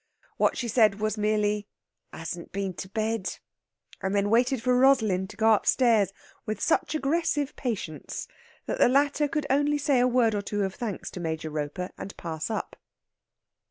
What she said was merely: "Hasn't been to bed." And then waited for Rosalind to go upstairs with such aggressive patience that the latter could only say a word or two of thanks to Major Roper and pass up.